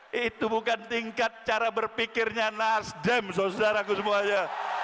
hai itu bukan tingkat cara berpikirnya nasdem saudara saudaraku semuanya